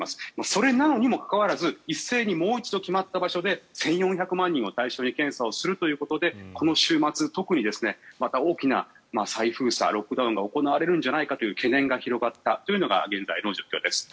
それなのにもかかわらず一斉にもう一度、決まった場所で１４００万人を対象に検査をするということでこの週末、特にまた大きな再封鎖、ロックダウンが行われるんじゃないかという懸念が広がったというのが現在の状況です。